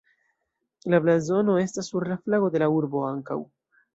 La blazono estas sur la flago de la urbo ankaŭ.